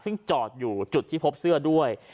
ซึ่งจอดอยู่จุดที่พบเสื้อด้วย